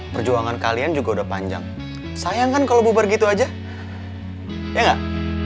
perjuangan kalian juga udah panjang sayangkan kalau bubar gitu aja ya enggak